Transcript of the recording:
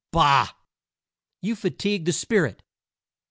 Bah! you fatigue the spirit.